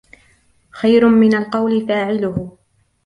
خَيْرٌ مِنْ الْقَوْلِ فَاعِلُهُ